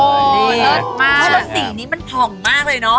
รถสีนี่มันผอ่งมากเลยเนอะ